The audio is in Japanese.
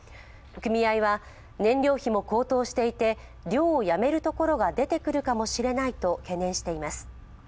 組合は、燃料費も高騰していて漁をやめるところが出てくるかもしれないと懸念しています。